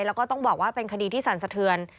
แล้วก็ต้องบอกว่าเป็นคดีที่สั่นสะเทือน